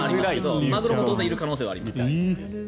マグロも当然いる可能性があります。